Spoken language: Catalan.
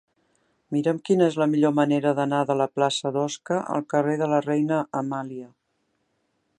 Mira'm quina és la millor manera d'anar de la plaça d'Osca al carrer de la Reina Amàlia.